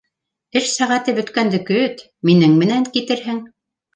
Эш сәғәте бөткәнде көт, минең менән китерһең...